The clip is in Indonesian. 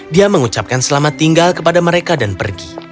dia mengucapkan selamat tinggal kepada mereka dan pergi